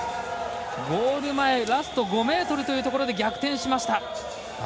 ゴール前ラスト５ｍというところで逆転しました。